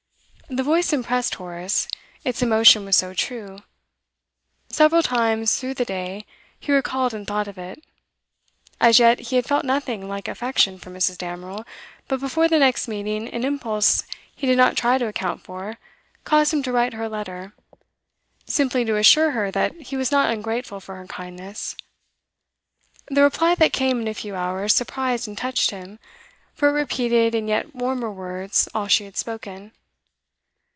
The voice impressed Horace, its emotion was so true. Several times through the day he recalled and thought of it. As yet he had felt nothing like affection for Mrs. Damerel, but before their next meeting an impulse he did not try to account for caused him to write her a letter simply to assure her that he was not ungrateful for her kindness. The reply that came in a few hours surprised and touched him, for it repeated in yet warmer words all she had spoken.